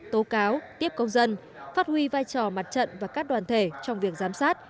tố cáo tiếp công dân phát huy vai trò mặt trận và các đoàn thể trong việc giám sát